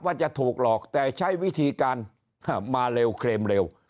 ว่าจะถูกหลอกแต่ใช้วิธีการมาเร็วเครมเร็ว